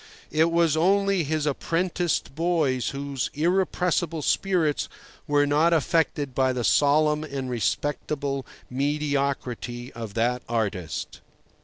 It was only his apprenticed boys whose irrepressible spirits were not affected by the solemn and respectable mediocrity of that artist.